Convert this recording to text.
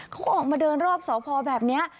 เขาก็ออกมาเดินรอบสพแบบนี้